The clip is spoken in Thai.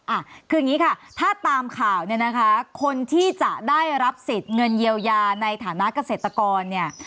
อ่ะคืออย่างนี้ค่ะถ้าตามข่าวเนี่ยนะคะคนที่จะได้รับสิทธิ์เงินเยียวยาในฐานะเกษตรกรเนี่ย